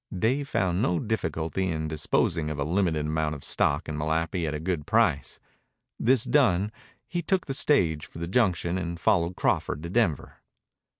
Dave found no difficulty in disposing of a limited amount of stock in Malapi at a good price. This done, he took the stage for the junction and followed Crawford to Denver.